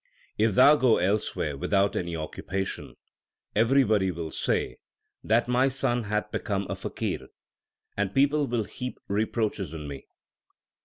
If thou go elsewhere without any occupation, every body will say that my son hath become a faqir, and people will heap reproaches on me.